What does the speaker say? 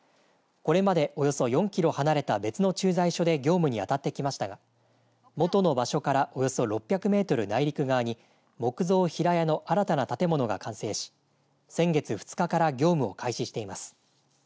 これまで、およそ４キロ離れた別の駐在所で業務にあたってきましたが元の場所から、およそ６００メートル内陸側に木造平屋の新たな建物が完成し先月２日から業務を開始しています。